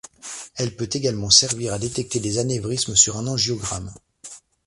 Elle peut également servir à détecter des anévrismes sur un angiogramme.